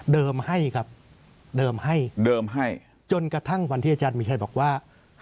ให้ครับเดิมให้เดิมให้จนกระทั่งวันที่อาจารย์มีชัยบอกว่า